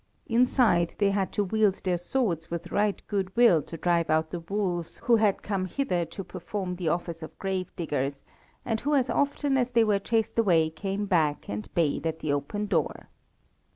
Inside they had to wield their swords with right good will to drive out the wolves who had come hither to perform the office of grave diggers, and who as often as they were chased away came back and bayed at the open door.